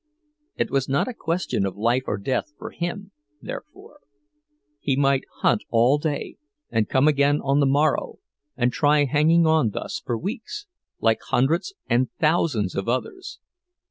It was not a question of life and death for him, therefore; he might hunt all day, and come again on the morrow, and try hanging on thus for weeks, like hundreds and thousands of others.